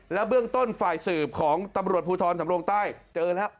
เบื้องต้นฝ่ายสืบของตำรวจภูทรสำรงใต้เจอแล้ว